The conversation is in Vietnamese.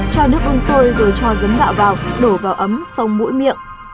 cho nước uống sôi rồi cho giấm gạo vào đổ vào ấm xông mũi miệng